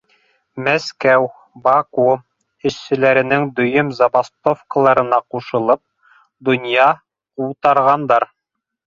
Мәскәү, Баку эшселәренең дөйөм забастовкаларына ҡушылып, донъя ҡутарғандар.